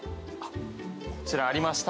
こちら、ありました！